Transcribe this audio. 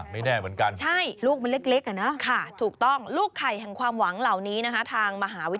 ไม่แน่เหมือนกัน